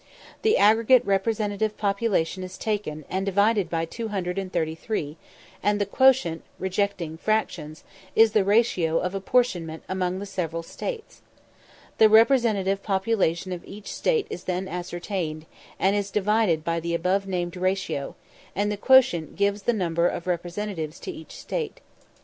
The aggregate representative population (by the last decennial enumeration, 21,767,673) is taken, and divided by 233; and the quotient, rejecting fractions, is the ratio of apportionment among the several States. The representative population of each State is then ascertained, and is divided by the above named ratio, and the quotient gives the number of representatives to each State.